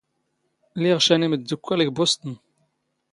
ⵍⵉⵖ ⵛⴰ ⵏ ⵉⵎⴷⴷⵓⴽⴽⴰⵍ ⴳ ⴱⵓⵙⵜⵏ.